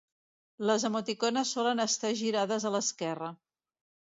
Les emoticones solen estar girades a l'esquerra.